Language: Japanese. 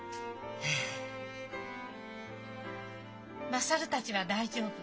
優たちは大丈夫。